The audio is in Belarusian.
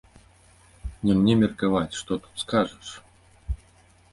Не мне меркаваць, што тут скажаш?!.